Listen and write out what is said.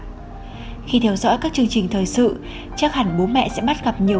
chương trình thứ hai rồi ạ khi theo dõi các chương trình thời sự chắc hẳn bố mẹ sẽ bắt gặp nhiều